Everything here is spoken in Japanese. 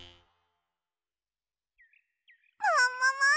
ももも！